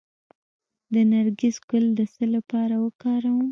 د نرګس ګل د څه لپاره وکاروم؟